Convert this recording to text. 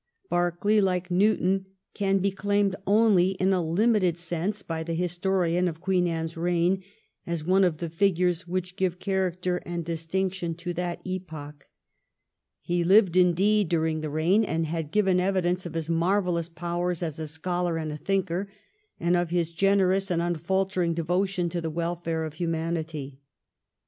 Berkeley, like Newton, can be claimed only in a certain limited sense by the his torian of Queen Anne's reign as one of the figures which give character and distinction to that epoch. 1702 14 BISHOP BEKKELEY. 297 He lived, indeed, during the reign, and had given evidence of his marvellous powers as a scholar and a thinker, and of^ his generous and unfaltering devotion to the welfare of humanity.